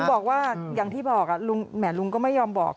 บอกว่าอย่างที่บอกลุงแห่ลุงก็ไม่ยอมบอก